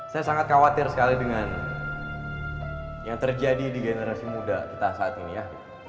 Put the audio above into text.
saya sangat khawatir sekali dengan yang terjadi di generasi muda kita saat ini ya